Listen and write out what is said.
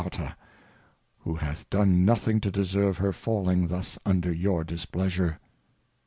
ia^^ho hath done npthing to deserve her falling thus unj.e£your_Dis^easure.